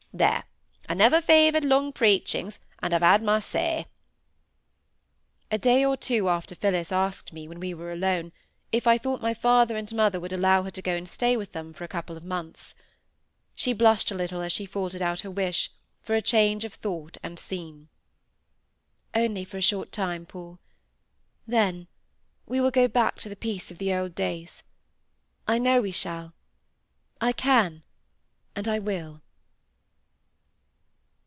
There, I never favoured long preachings, and I've said my say." A day or two after Phillis asked me, when we were alone, if I thought my father and mother would allow her to go and stay with them for a couple of months. She blushed a little as she faltered out her wish for change of thought and scene. "Only for a short time, Paul. Then—we will go back to the peace of the old days. I know we shall; I can, and I will!"